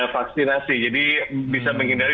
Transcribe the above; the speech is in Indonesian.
vaksinasi jadi bisa menghindari